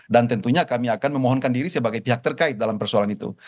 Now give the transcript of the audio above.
dan tentunya kami akan memohonkan diri sebagai pihak terkait dalam persoalan itu